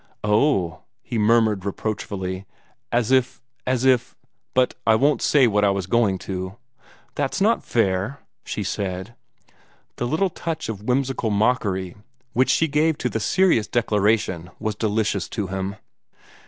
"Oh h!" he murmured reproachfully, "as if as if but I won't say what I was going to." "That's not fair!" she said. The little touch of whimsical mockery which she gave to the serious declaration was delicious to him.